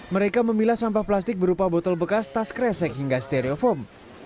mereka memilah sampah plastik berupa botol bekas tas kresek hingga stereofoam